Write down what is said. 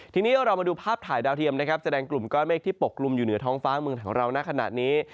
ทีนี้เรามาดูภาพถ่ายดาวเทียมนะครับแสดงกลุ่มก้อนเมฆที่ปกลุ่มอยู่เหนือท้องฟ้าเมืองของเราณขณะนี้